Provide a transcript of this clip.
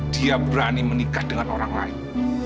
dia berani menikah dengan orang lain